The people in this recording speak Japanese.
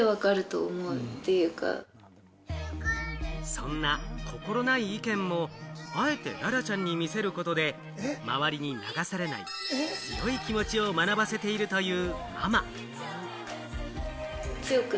そんな心ない意見もあえて、ららちゃんに見せることで、周りに流されない強い気持ちを学ばせているという。